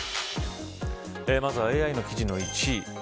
まずはＡＩの記事の１位